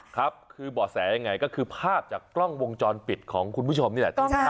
ครับคือบ่อแสยังไงก็คือภาพจากกล้องวงจรปิดของคุณผู้ชมนี่แหละ